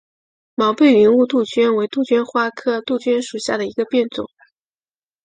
毛背云雾杜鹃为杜鹃花科杜鹃属下的一个变种。